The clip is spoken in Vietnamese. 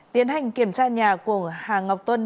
tiến hành kiểm tra nhà của hà ngọc tuân